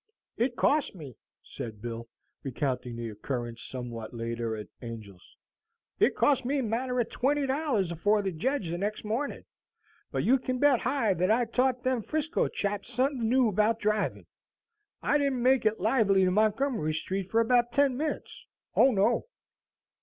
"It cost me," said Bill, recounting the occurrence somewhat later at Angel's, "it cost me a matter o' twenty dollars afore the jedge the next mornin'; but you kin bet high thet I taught them 'Frisco chaps suthin new about drivin'. I didn't make it lively in Montgomery Street for about ten minutes, O no!"